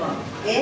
え？